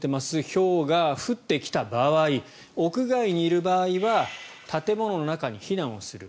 ひょうが降ってきた場合屋外にいる場合は建物の中に避難をする。